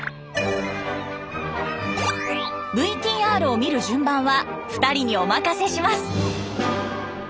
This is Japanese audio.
ＶＴＲを見る順番は２人にお任せします。